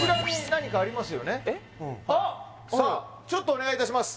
・はいさあちょっとお願いいたします